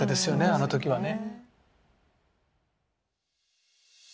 あの時はね。